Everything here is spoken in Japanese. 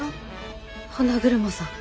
花車さん。